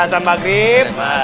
nah salam maghrib